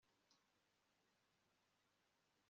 avuye mu bitaro, akora ku rutoki